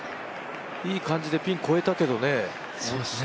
いい感じでピン越えたけどね。